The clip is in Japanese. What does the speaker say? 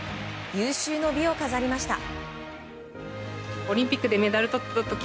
有終の美を飾りました。